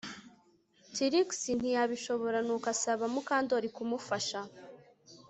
Trix ntiyabishobora nuko asaba Mukandoli kumufasha